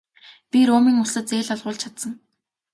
Би Румын улсад зээл олгуулж чадсан.